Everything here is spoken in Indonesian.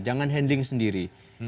jangan handling sendiri